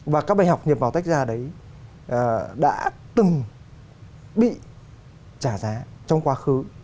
và các bài học nhập vào tách ra đấy đã từng bị trả giá trong quá khứ